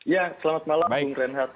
ya selamat malam bung reinhardt